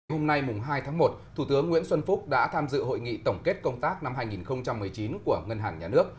hôm nay hai tháng một thủ tướng nguyễn xuân phúc đã tham dự hội nghị tổng kết công tác năm hai nghìn một mươi chín của ngân hàng nhà nước